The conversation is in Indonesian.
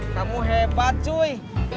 kamu hebat cuy